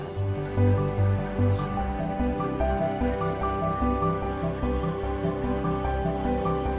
yang dianggap berdampak buruk bagi masyarakat penduduk